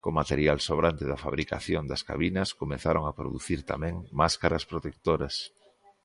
Co material sobrante da fabricación das cabinas comezaron a producir tamén máscaras protectoras.